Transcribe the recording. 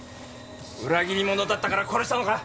裏切り者だったから殺したのか！？